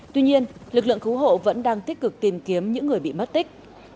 tuy nhiên lực lượng cứu hộ vẫn đang tích cực tìm kiếm những người bị mất tích